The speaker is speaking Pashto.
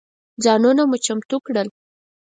ځانونه مو چمتو کړل.